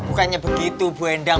bukannya begitu bu endang